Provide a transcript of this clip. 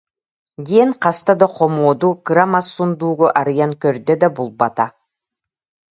диэн хаста да хомуоду, кыра мас сундуугу арыйан көрдө да булбата